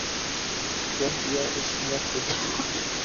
کہہ دیا اس نے خود ہی